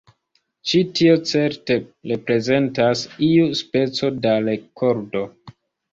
Ĉi-tio certe reprezentas iu speco da rekordo.